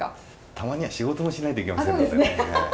たまには仕事もしないといけませんのでね。